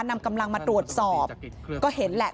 นำกำลังมาตรวจสอบก็เห็นแหละ